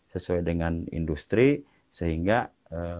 sesuai dengan industri sehingga lulusan smk blud mampu mencetaknya